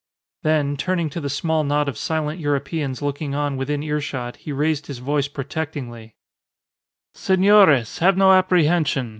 Then, turning to the small knot of silent Europeans looking on within earshot, he raised his voice protectingly "Senores, have no apprehension.